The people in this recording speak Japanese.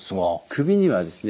首にはですね